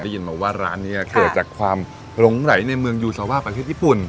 ได้ยินมาว่าร้านนี้เกิดจากความหลงไหลในเมืองยูซาว่าประเทศญี่ปุ่น